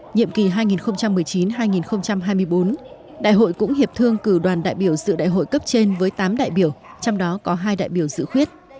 nhiệm kỳ hai nghìn một mươi chín hai nghìn hai mươi bốn đại hội cũng hiệp thương cử đoàn đại biểu sự đại hội cấp trên với tám đại biểu trong đó có hai đại biểu dự khuyết